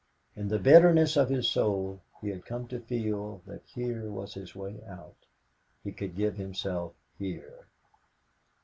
In the bitterness of his soul he had come to feel that here was his way out; he could give himself here.